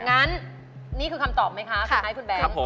งั้นนี่คือคำตอบไหมคะคุณไอ้คุณแบงค์